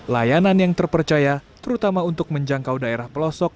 layanan yang terpercaya terutama untuk menjangkau daerah pelosok